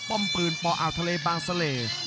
้มปืนปอ่าวทะเลบางเสล่